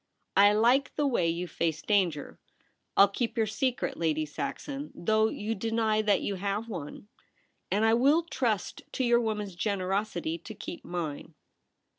I like the way you face danger. I'll keep your secret, Lady Saxon, though you deny that you have one, and I will trust to your woman's generosity to keep mine.'